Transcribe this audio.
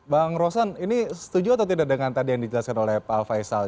bang rosan ini setuju atau tidak dengan tadi yang dijelaskan oleh pak faisal